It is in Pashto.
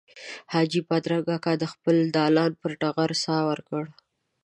حاجي بادرنګ اکا د خپل دالان پر ټغر ساه ورکړه.